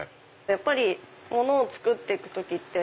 やっぱりものを作って行く時って。